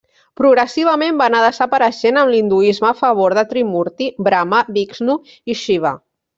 Progressivament va anar desapareixent amb l'hinduisme a favor de Trimurti, Brama, Vixnu i Xiva.